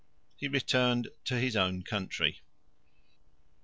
He returned to his country.